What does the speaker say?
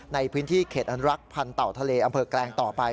ในพื้นที่เขตอนุรักษ์พันธ์เต่าทะเลอำเภอแกลงต่อไป